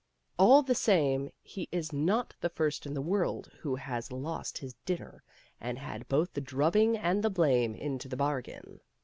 All the same, he is not the first in the world who has lost his dinner, and had both the drubbing and the blame into the bargain.